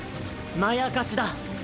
まやかしだ。